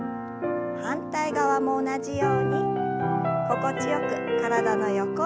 反対側も同じように心地よく体の横を伸ばします。